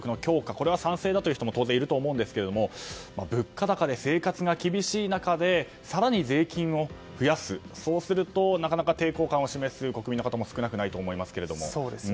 これは賛成だという人も当然いると思うんですが物価高で生活が厳しい中で更に税金を増やすとなるとなかなか抵抗感を示す国民の方も少なくないと思いますけど。